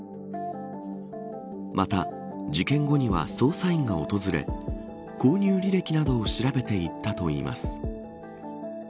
また、事件後には捜査員が訪れ購入履歴などを調べていったといいます。